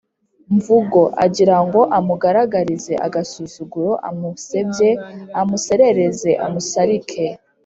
mvugo, agira ngo amugaragarize agasuzuguro, amusebye, amusesereze, amusarike,